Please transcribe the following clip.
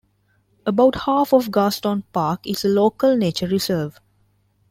About half of Garston Park is a Local Nature Reserve.